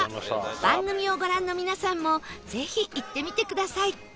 番組をご覧の皆さんもぜひ行ってみてください